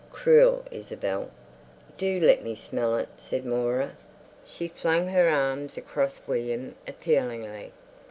"Cruel Isabel! Do let me smell it!" said Moira. She flung her arms across William appealingly.